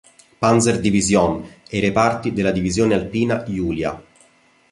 Panzer-Division e i reparti della divisione alpina "Julia".